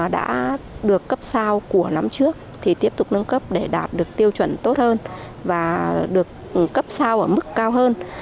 đã được cấp sao của năm trước thì tiếp tục nâng cấp để đạt được tiêu chuẩn tốt hơn và được cấp sao ở mức cao hơn